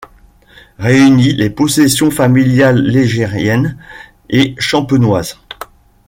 Réunit les possessions familiales ligériennes et champenoises.